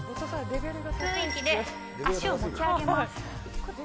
吸う息で足を持ち上げます。